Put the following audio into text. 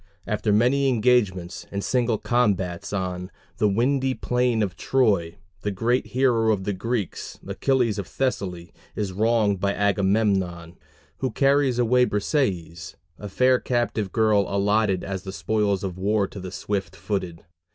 After many engagements and single combats on "the windy plain of Troy" the great hero of the Greeks, Achilles of Thessaly, is wronged by Agamemnon, who carries away Briseis, a fair captive girl allotted as the spoils of war to the "Swift footed."